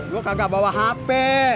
gua kagak bawa hp